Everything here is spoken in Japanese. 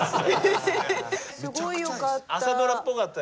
すごい良かった！